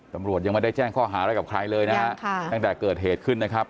ตำรวจยังไม่ได้แจ้งข้อหาอะไรกับใครเลยนะฮะตั้งแต่เกิดเหตุขึ้นนะครับ